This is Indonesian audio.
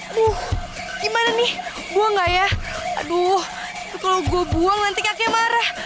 aduh gimana nih buang gak ya aduh kalau gue buang nanti kakek marah